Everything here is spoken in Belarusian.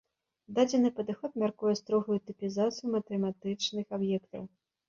Дадзены падыход мяркуе строгую тыпізацыю матэматычных аб'ектаў.